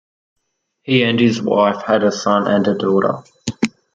He and his wife had a son and a daughter.